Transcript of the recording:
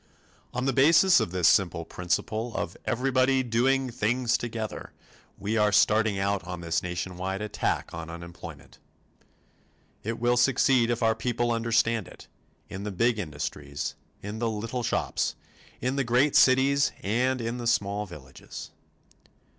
On the basis of this simple principle of everybody doing things together, we are starting out on this nationwide attack on unemployment. It will succeed if our people understand it in the big industries, in the little shops, in the great cities and in the small villages.